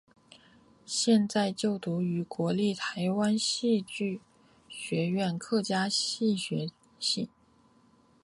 现正就读于国立台湾戏曲学院客家戏学系。